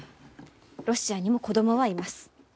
ロシアにも子供はいます。